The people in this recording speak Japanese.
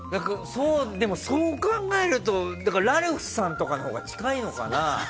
そう考えるとラルフさんとかのほうが近いのかな？